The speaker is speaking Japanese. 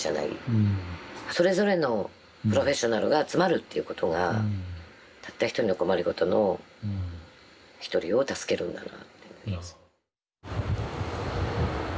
それぞれのプロフェッショナルが集まるっていうことがたった一人の困りごとの一人を助けるんだなって思いますね。